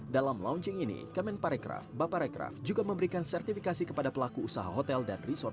dalam launching ini kemenparekraf bapak rekraf juga memberikan sertifikasi kepada pelaku usaha hotel dan resort